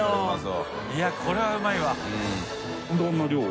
いやこれはうまいわ。